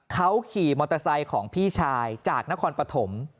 เขาขี่มอเตอร์ไซล์ของผู้ชายจากนครป฼ม